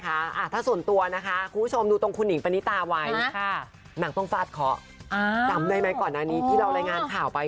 ถ้าส่วนตัวนะคะคุณผู้ชมดูตรงคุณหิงปณิตาไว้นางต้องฟาดเคาะจำได้ไหมก่อนหน้านี้ที่เรารายงานข่าวไป